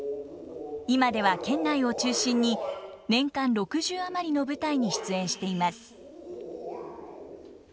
今では県内を中心に年間６０余りの舞台に出演しています。